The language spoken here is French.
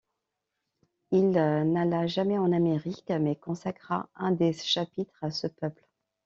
Il n'alla jamais en Amérique mais consacra un des chapitres à ce peuple.